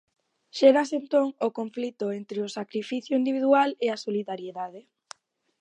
Xérase entón o conflito entre o sacrificio individual e a solidariedade.